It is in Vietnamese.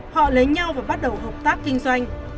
họ lấy nhau và bắt đầu hợp tác kinh doanh